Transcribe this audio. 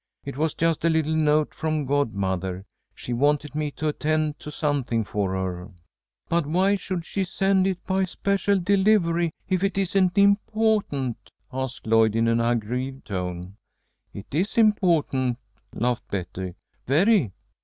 "It was just a little note from godmother. She wanted me to attend to something for her." "But why should she send it by special delivery if it isn't impawtant?" asked Lloyd, in an aggrieved tone. "It is important," laughed Betty. "Very."